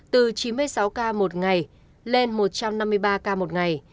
từ chín mươi sáu ca một ngày lên một trăm năm mươi ba ca một ngày